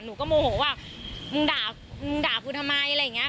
หนูก็โมโหว่ามึงด่ามึงด่ากูทำไมอะไรอย่างนี้